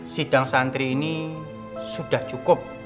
sidang santri ini sudah cukup